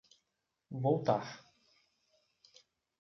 Voltar